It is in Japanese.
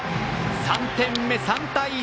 ３点目、３対１。